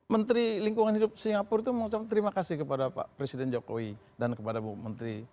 menteri lingkungan hidup singapura itu mengucapkan terima kasih kepada pak presiden jokowi dan kepada bu menteri